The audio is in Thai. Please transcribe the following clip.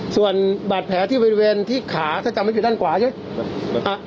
ส่วนบาดแผลที่บริเวณที่ขาถ้าจำไม่ผิดด้านขวาใช่ไหม